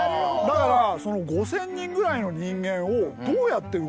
だから５，０００人ぐらいの人間をどうやって動かすか。